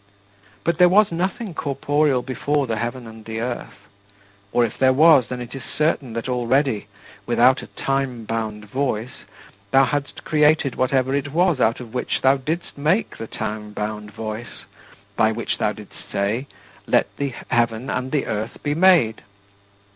But there was nothing corporeal before the heaven and the earth; or if there was, then it is certain that already, without a time bound voice, thou hadst created whatever it was out of which thou didst make the time bound voice by which thou didst say, "Let the heaven and the earth be made!"